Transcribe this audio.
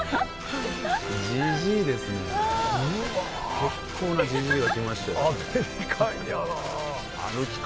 結構なジジイが来ましたよ